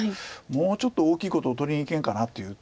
「もうちょっと大きいこと取りにいけんかな」っていう。